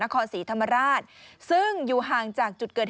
ได้ขับรถเก๋งคันนำเตลว